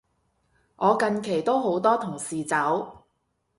我近期都好多同事走